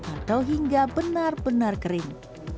atau hingga benar benar kering